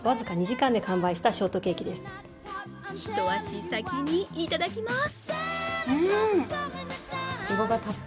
一足先にいただきます。